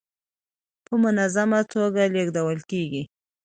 په منظمه ټوګه لېږدول کيږي.